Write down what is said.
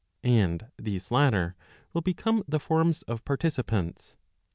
And these latter will become the forms of participants.